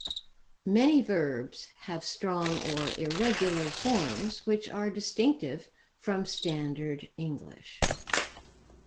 Many verbs have strong or irregular forms which are distinctive from Standard English.